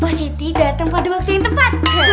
buan positi dateng pada waktu yang tepat